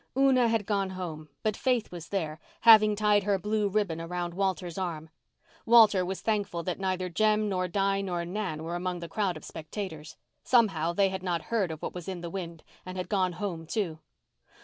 Una had gone home, but Faith was there, having tied her blue ribbon around Walter's arm. Walter was thankful that neither Jem nor Di nor Nan were among the crowd of spectators. Somehow they had not heard of what was in the wind and had gone home, too.